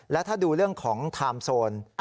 และถ้าดูเรื่องของไทม์โซน